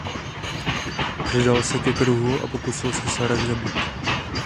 Přidal se ke Kruhu a pokusil se Sarah zabít.